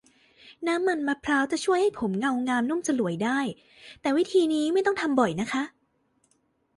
น้ำมันมะพร้าวจะช่วยให้ผมเงางามนุ่มสลวยได้ แต่วิธีนี้ไม่ต้องทำบ่อยนะคะ